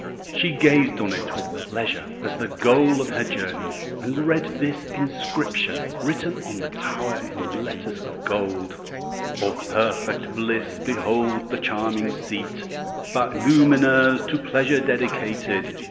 She gazed on it with pleasure as the goal of her journey, and read this inscription, written on the tower in letters of gold: Of perfect bliss behold the charming seat, By Lumineuse to pleasure dedicated.